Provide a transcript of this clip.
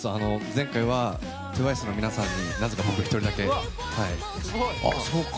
前回は、ＴＷＩＣＥの皆さんになぜか僕１人だけ。